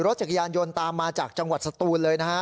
รถจักรยานยนต์ตามมาจากจังหวัดสตูนเลยนะฮะ